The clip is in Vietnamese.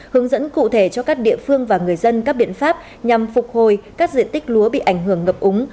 hướng dẫn cụ thể cho các địa phương và người dân các biện pháp nhằm phục hồi các diện tích lúa bị ảnh hưởng ngập úng